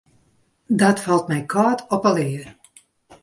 Dat falt my kâld op 'e lea.